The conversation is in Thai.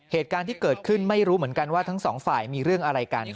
เหตุการณ์ที่เกิดขึ้นไม่รู้เหมือนกันว่าทั้งสองฝ่ายมีเรื่องอะไรกัน